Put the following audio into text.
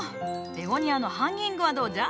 ベゴニアのハンギングはどうじゃ？